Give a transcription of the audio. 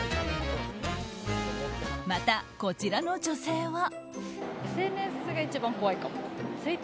また、こちらの女性は。